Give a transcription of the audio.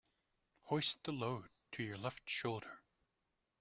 Hoist the load to your left shoulder.